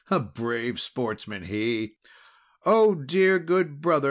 A brave sportsman he!" "Oh, dear, good brother!"